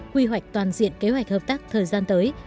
quy hoạch toàn diện kế hoạch hợp tác thời gian tới